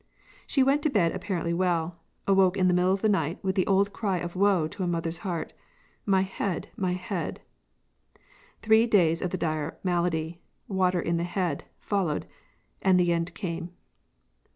She went to bed apparently well, awoke in the middle of the night with the old cry of woe to a mother's heart, 'My head, my head!' Three days of the dire malady 'water in the head' followed, and the end came."